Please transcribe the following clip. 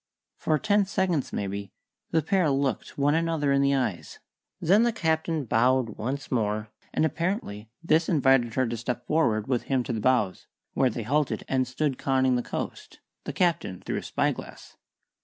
For ten seconds, maybe, the pair looked one another in the eyes; then the Captain bowed once more, and apparently this invited her to step forward with him to the bows, where they halted and stood conning the coast, the Captain through his spyglass.